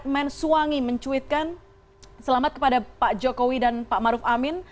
mencuitkan selamat kepada pak jokowi dan pak ma'ruf amin